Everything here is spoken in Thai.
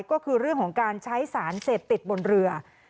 ก็คือเรื่องของการใช้สารเสพติดบนเรือ